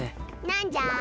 何じゃ？